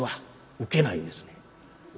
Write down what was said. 笑わないんですね。